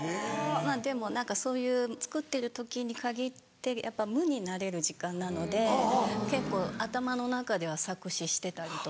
でもそういう作ってる時に限ってやっぱ無になれる時間なので結構頭の中では作詞してたりとか。